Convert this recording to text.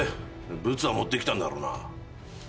ブツは持ってきたんだろうな？